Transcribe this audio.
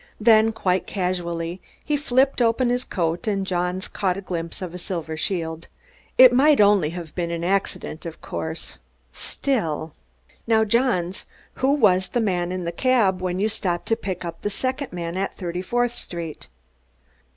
Then, quite casually, he flipped open his coat and Johns caught a glimpse of a silver shield. It might only have been accident, of course, still "Now, Johns, who was the man in the cab when you stopped to pick up the second man at Thirty fourth Street?"